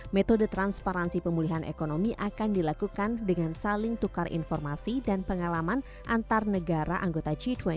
metode transparansi pemulihan ekonomi akan dilakukan dengan saling tukar informasi dan pengalaman antar negara anggota g dua puluh